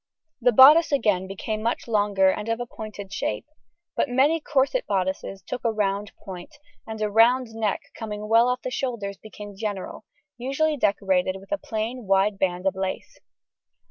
] The bodice again became much longer and of a pointed shape, but many corset bodices took a round point, and a round neck coming well off the shoulders became general, usually decorated with a plain wide band of lace.